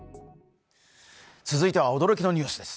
続いては驚きのニュースです。